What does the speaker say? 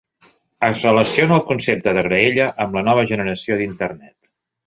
Es relaciona el concepte de graella amb la nova generació d'Internet.